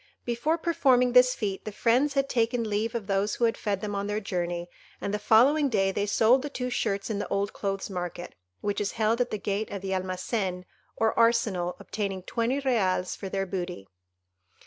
Before performing this feat the friends had taken leave of those who had fed them on their journey, and the following day they sold the two shirts in the old clothes' market, which is held at the gate of the Almacen or arsenal, obtaining twenty reals for their booty.